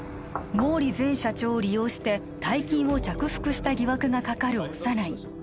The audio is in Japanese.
毛利前社長を利用して大金を着服した疑惑がかかる小山内